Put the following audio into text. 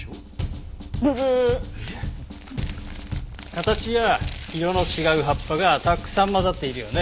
形や色の違う葉っぱがたくさん混ざっているよね。